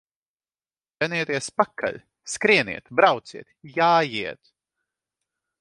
Dzenieties pakaļ! Skrieniet, brauciet, jājiet!